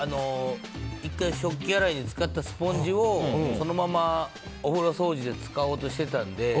１回食器洗いに使ったスポンジをそのままお風呂掃除で使おうとしていたので。